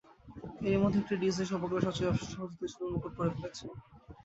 এরই মধ্যে এটি ডিজনির সর্বকালের সবচেয়ে ব্যবসাসফল দ্বিতীয় ছবির মুকুট পরে ফেলেছে।